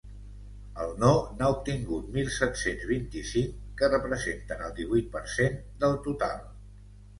El no n’ha obtingut mil set-cents vint-i-cinc, que representen el divuit per cent del total.